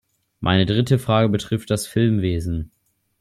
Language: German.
Meine dritte Frage betrifft das Filmwesen.